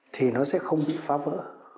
thì nó sẽ không bị phá vỡ